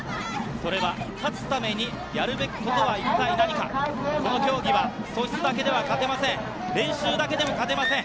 それは勝つためにやるべきことは何か、この競技は１つだけでは勝てません、練習だけでも勝てません。